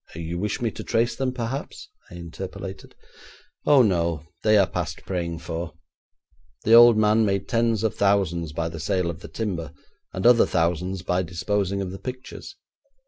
'You wish me to trace them, perhaps?' I interpolated. 'Oh, no; they are past praying for. The old man made tens of thousands by the sale of the timber, and other thousands by disposing of the pictures.